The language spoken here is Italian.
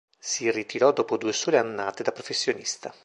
Si ritirò dopo due sole annate da professionista.